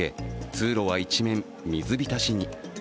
通路は一面水浸しに。